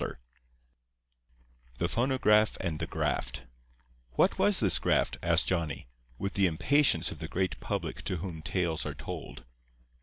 VI THE PHONOGRAPH AND THE GRAFT "What was this graft?" asked Johnny, with the impatience of the great public to whom tales are told.